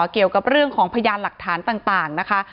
เกี่ยวกับเรื่องของพยานหลักฐานต่างนะคะ